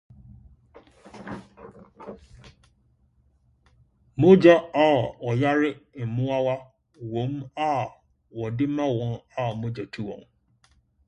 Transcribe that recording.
Mogya a Ɔyare Mmoawa Wom a Wɔde ma Wɔn a Mogya Tu Wɔn